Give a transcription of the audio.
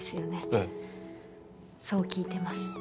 ええそう聞いてます